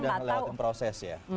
masih udah ngelewatin proses ya